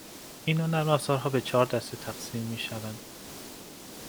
این نوع نرمافزارها به چهار دسته تقسیم میشوند